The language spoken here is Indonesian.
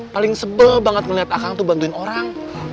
paling sebe banget ngeliat akang tuh bantuin orang